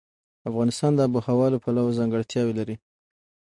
افغانستان د آب وهوا له پلوه ځانګړتیاوې لري.